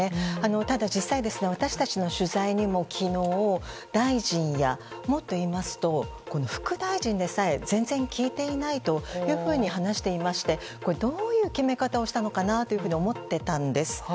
ただ、実際に私たちの取材にも昨日、大臣やもっと言いますと副大臣でさえ全然聞いていないというふうに話していましてどういう決め方をしたのかなと思っていたんです。